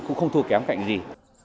cũng không thua kém cạnh gì